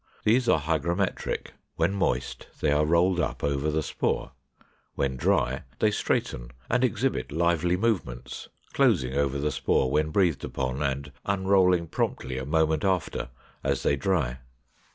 These are hygrometric: when moist they are rolled up over the spore; when dry they straighten, and exhibit lively movements, closing over the spore when breathed upon, and unrolling promptly a moment after as they dry.